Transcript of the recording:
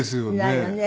ないわね。